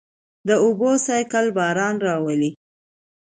د اوبو سائیکل باران راولي.